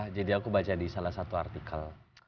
jadi aku baca di salah satu artikel